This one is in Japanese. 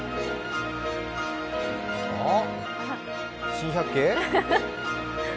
珍百景！？